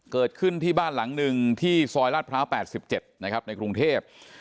เกิดขึ้นที่บ้านหลังนึงที่ซอยราชพระ่า๘๗ในกรุงเทพฯ